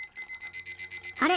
あれ？